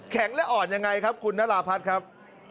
แข็งและอ่อนอย่างไรครับคุณนราพัทธ์ครับ